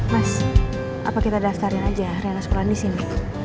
mas apa kita daftarin aja rena sekolah disini